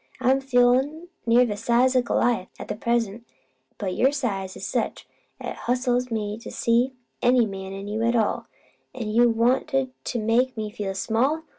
I'm feelin' near the size o' Goliath at present; but your size is such 'at it hustles me to see any MAN in you at all. An' you wanted to make me feel small!